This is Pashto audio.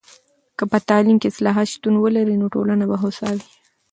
که په تعلیم کې اصلاحات شتون ولري، نو ټولنه به هوسا وي.